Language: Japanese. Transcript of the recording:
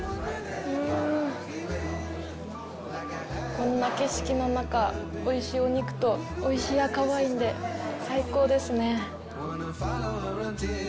こんな景色の中おいしいお肉とおいしい赤ワインで最高ですね。